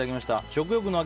食欲の秋！